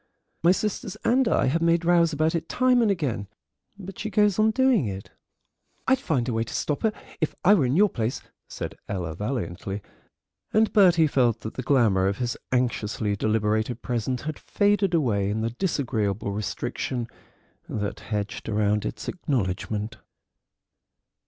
My sisters and I have made rows about it time and again, but she goes on doing it." "I'd find some way to stop her if I were in your place," said Ella valiantly, and Bertie felt that the glamour of his anxiously deliberated present had faded away in the disagreeable restriction that hedged round its acknowledgment.